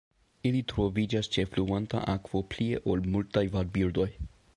Ili troviĝas ĉe fluanta akvo plie ol multaj vadbirdoj.